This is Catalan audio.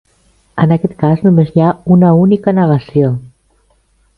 En aquest cas només hi ha una única negació.